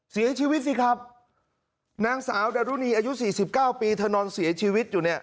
เสียชีวิตสิครับนางสาวดารุณีอายุ๔๙ปีเธอนอนเสียชีวิตอยู่เนี่ย